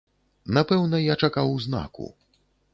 Напэўна, я чакаў знаку.